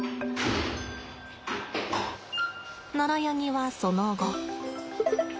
ナラヤニはその後。